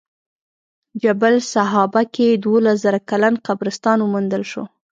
جبل سحابه کې دولس زره کلن قبرستان وموندل شو.